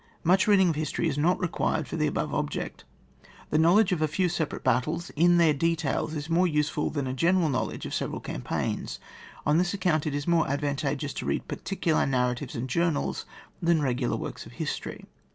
Much reading of history is not required for the above object. The knowledge of a few sepa rate battles, in their details, is more use ful than a general knowledge of several campaigns. On this account it is more advantageous to read particular nar ratives and journals than regular works of history.